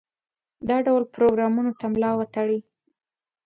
دا ډول پروګرامونو ته ملا وتړي.